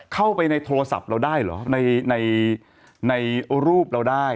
เข้าไปในโทรศัพท์เราได้เหรอในรูปเราได้